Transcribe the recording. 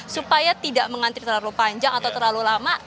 supaya tidak mengantri terlalu panjang atau terlalu lama